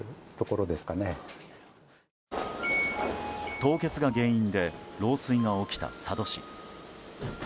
凍結が原因で漏水が起きた佐渡市。